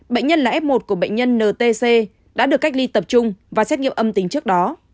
bệnh nhân là f một của bệnh nhân ntc đã được cách ly tập trung và xét nghiệm âm tính trước đó